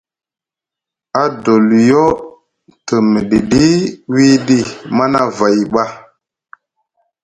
Adoliyo te miɗiɗi wiɗi manavay ɓa.